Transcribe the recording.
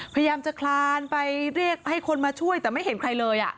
พยายามจะคลานไปเรียกให้คนมาช่วยแต่ไม่เห็นใครเลย